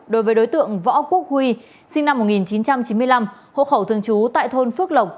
đối với đối tượng võ quốc huy sinh năm một nghìn chín trăm chín mươi năm hộ khẩu thường trú tại thôn phước lộc